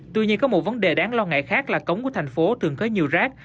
tuy nhiên có một vấn đề đáng lo ngại khác là cống của thành phố thường có nhiều rác